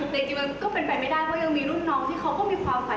แต่จริงมันก็เป็นไปไม่ได้เพราะยังมีรุ่นน้องที่เขาก็มีความฝัน